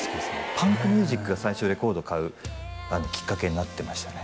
パンクミュージックが最初レコード買うきっかけになってましたね